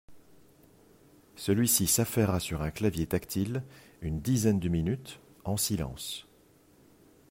Celui-ci s’affaira sur un clavier tactile une dizaine de minutes, en silence.